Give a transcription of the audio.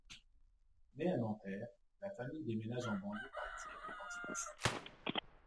Né à Nanterre, la famille déménage en banlieue parisienne quand il a cinq ans.